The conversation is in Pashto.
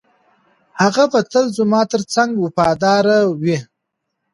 هغه به تل زما تر څنګ وفاداره وي.